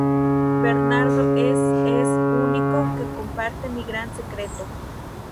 Bernardo es es único que comparte mi gran secreto.